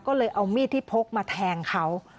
ก็เลยเอามีดที่พกมาแทงเขา